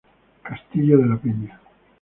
Castillo de la Peña